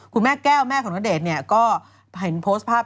คุณแม่แก้วแม่ของณเดชน์เนี่ยก็เห็นโพสต์ภาพ